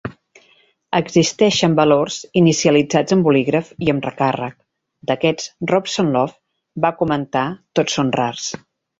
Existeixen valors inicialitzats amb bolígraf i amb recàrrec; d'aquests Robson Lowe va comentar, Tots són rars.